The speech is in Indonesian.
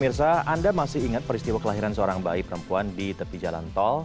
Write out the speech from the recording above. mirsa anda masih ingat peristiwa kelahiran seorang bayi perempuan di tepi jalan tol